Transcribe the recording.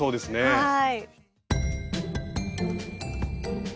はい。